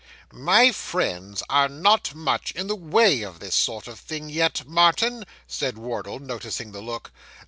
'My friends are not much in the way of this sort of thing yet, Martin,' said Wardle, noticing the look.